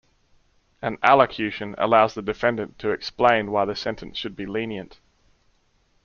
An allocution allows the defendant to explain why the sentence should be lenient.